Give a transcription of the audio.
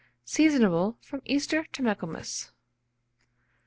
Seasonable from Easter to Michaelmas.